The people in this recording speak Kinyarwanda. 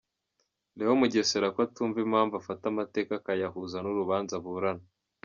Leon Mugesera ko atumva impamvu afata amateka akayahuza n’urubanza aburana.